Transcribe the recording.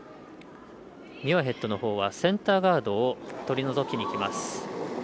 ミュアヘッドのほうはセンターガードを取り除きにきます。